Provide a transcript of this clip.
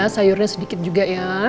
sayurnya sedikit juga ya